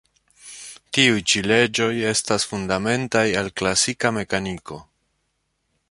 Tiuj ĉi leĝoj estas fundamentaj al klasika mekaniko.